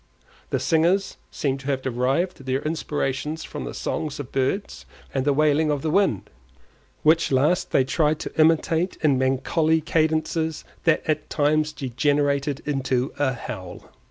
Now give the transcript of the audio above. The singers seemed to have derived their inspirations from the songs of birds and the wailing of the wind, which last they tried to imitate in melancholy cadences that at times degenerated into a howl.